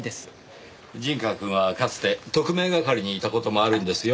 陣川くんはかつて特命係にいた事もあるんですよ。